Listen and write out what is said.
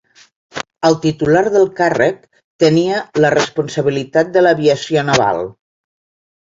El titular del càrrec tenia la responsabilitat de l'aviació naval.